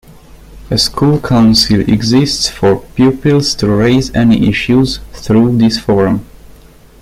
A School Council exists for pupils to raise any issues through this forum.